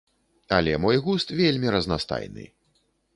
Але мой густ вельмі разнастайны.